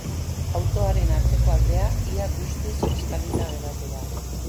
Autoaren atzeko aldea ia guztiz kiskalita geratu du.